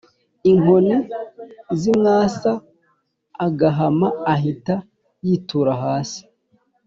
Inkoni zimwasa agahama ahita yitura hasi